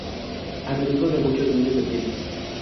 A menudo, de muchos miles de piezas.